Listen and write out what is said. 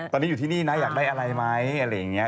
ตอนนี้อยู่ที่นี่นะอยากได้อะไรไหมอะไรอย่างนี้